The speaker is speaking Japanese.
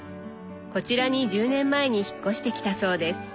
こちらに１０年前に引っ越してきたそうです。